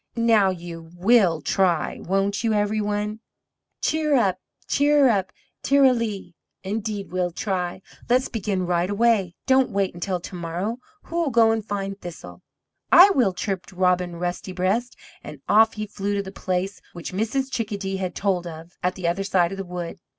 Now you WILL try, won't you, EVERY ONE?" "Cheerup, cheerup, ter ra lee! Indeed we'll try; let's begin right away! Don't wait until to morrow; who'll go and find Thistle?" "I will," chirped Robin Rusty breast, and off he flew to the place which Mrs. Chickadee had told of, at the other side of the wood.